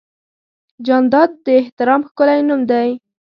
جانداد د احترام ښکلی نوم دی.